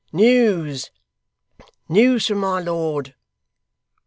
'News! News from my lord!